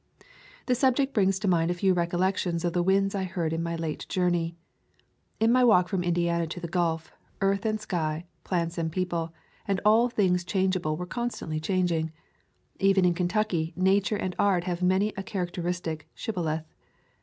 The subject brings to mind a few recollec tions of the winds I heard in my late journey. In my walk from Indiana to the Gulf, earth and sky, plants and people, and all things changeable were constantly changing. Even in Kentucky nature and art have many a characteristic shibboleth.